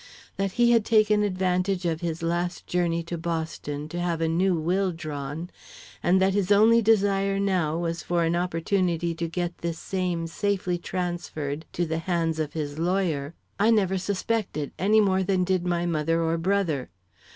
That he had taken advantage of his last journey to Boston to have a new will drawn, and that his only desire now was for an opportunity to get this same safely transferred into the hands of his lawyer, I never suspected any more than did my mother or brother.